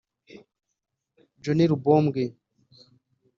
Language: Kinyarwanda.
John Lubombwe